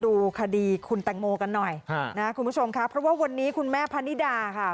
ดูคดีคุณแตงโมกันหน่อยนะคุณผู้ชมค่ะเพราะว่าวันนี้คุณแม่พะนิดาค่ะ